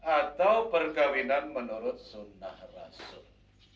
atau perkawinan menurut sunnah rasul